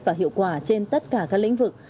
và hiệu quả trên tất cả các lĩnh vực